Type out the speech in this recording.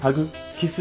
キス？